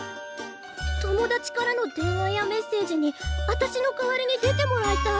友達からの電話やメッセージにあたしの代わりに出てもらいたい。